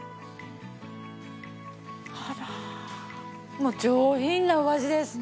もう上品なお味です。